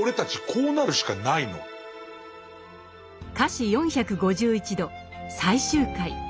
「華氏４５１度」最終回。